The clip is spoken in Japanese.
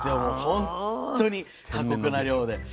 本当に過酷な漁で。